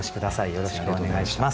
よろしくお願いします。